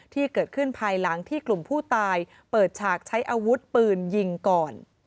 ที่เกิดขึ้นภายหลังที่กลุ่มผู้ตายเปิดฉากใช้อาวุธปืนยิงก่อน